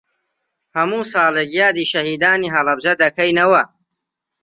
هەموو ساڵێک یادی شەهیدانی هەڵەبجە دەکەینەوە.